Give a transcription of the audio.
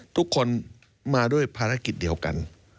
ทุกคนมาด้วยภารกิจเดียวกัน